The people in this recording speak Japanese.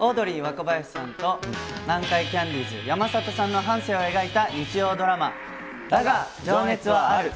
オードリー・若林さんと南海キャンディーズの山里さんの半生を描いた日曜ドラマ、だが、情熱はある。